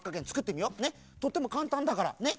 とってもかんたんだからねっ。